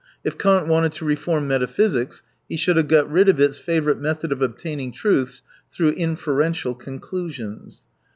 If Kant wanted to reform metaphysics, he should have got rid of its favourite method of obtaining truths through inferential " con clusions."